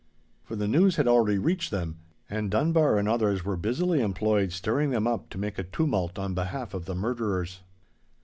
For the news had already reached them, and Dunbar and others were busily employed stirring them up to make a tumult on behalf of the murderers.